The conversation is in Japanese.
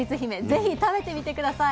ぜひ食べてみて下さい。